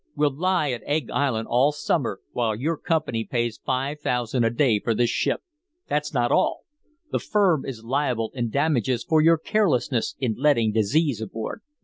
We'll lie at Egg Island all summer while your company pays five thousand a day for this ship. That's not all. The firm is liable in damages for your carelessness in letting disease aboard."